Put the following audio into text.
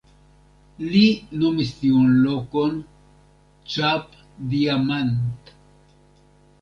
Li nomis tiun lokon "Cap-Diamant".